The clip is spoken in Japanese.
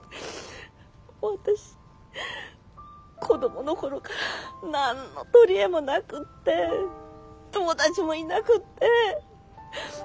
私子供の頃から何の取り柄もなくって友達もいなくって。